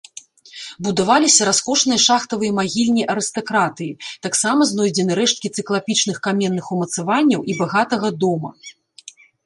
Будаваліся раскошныя шахтавыя магільні арыстакратыі, таксама знойдзены рэшткі цыклапічных каменных умацаванняў і багатага дома.